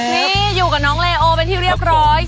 นี่อยู่กับน้องเลโอเป็นที่เรียบร้อย